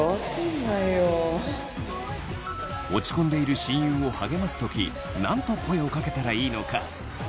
落ち込んでいる親友を励ます時何と声をかけたらいいのか？